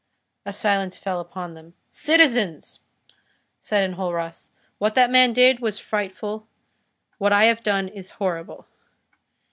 A silence fell upon them. "Citizens," said Enjolras, "what that man did is frightful, what I have done is horrible.